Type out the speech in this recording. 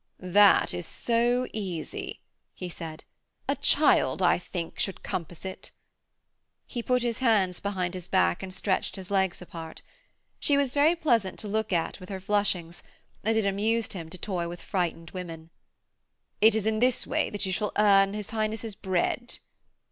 'That is so easy,' he said. 'A child, I think, could compass it.' He put his hands behind his back and stretched his legs apart. She was very pleasant to look at with her flushings, and it amused him to toy with frightened women. 'It is in this way that you shall earn his Highness' bread.'